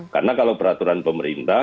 karena kalau peraturan pemerintah